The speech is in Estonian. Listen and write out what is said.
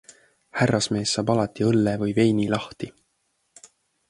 Härrasmees saab alati õlle või veini lahti.